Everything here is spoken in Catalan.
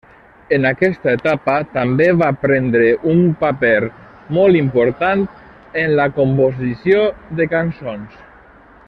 En aquesta etapa també va prendre un paper molt important en la composició de cançons.